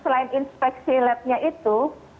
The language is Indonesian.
selain inspeksi lab nya itu